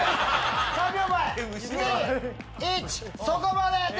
そこまで！